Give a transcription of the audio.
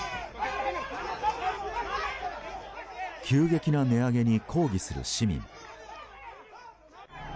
急激な値上げに抗議する市民。